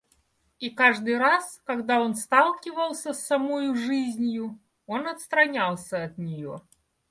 И каждый раз, когда он сталкивался с самою жизнью, он отстранялся от нее.